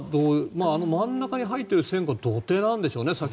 あの真ん中に入っている線が土手なんでしょうね。